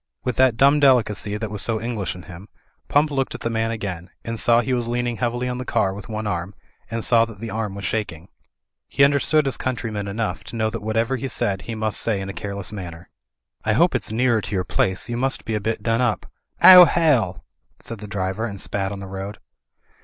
With that dumb delicacy that was so English in him. Pump looked at the man again, and saw he was leaning heavily on the car with one arm, and saw that the arm was shaking. He understood his country 172 THE FLYING INN men enough to know that whatever he said he must say in a careless manner. "I hope it's nearer to your place. You must be a bit done up.*' *'Oh hell !" said the .driver and spat on the road.